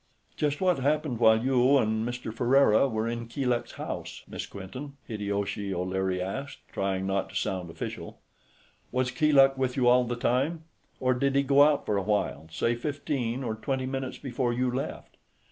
"Just what happened, while you and Mr. Ferriera were in Keeluk's house. Miss Quinton?" Hideyoshi O'Leary asked, trying not to sound official. "Was Keeluk with you all the time? Or did he go out for a while, say fifteen or twenty minutes before you left?"